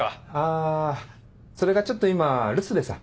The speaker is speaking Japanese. あそれがちょっと今留守でさ。